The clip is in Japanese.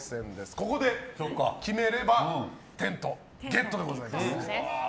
ここで決めればテントでございます。